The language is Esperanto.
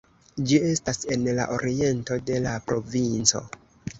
Ĝi estas en la oriento de la provinco.